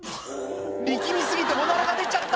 力み過ぎておならが出ちゃった。